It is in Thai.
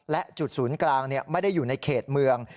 และจุดศูนย์กลางไม่ได้อยู่ในเขตเมือง